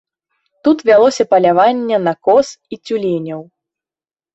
Тут вялося паляванне на коз і цюленяў.